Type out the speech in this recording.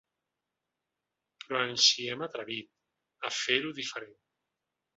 Però ens hi hem atrevit, a fer-ho diferent.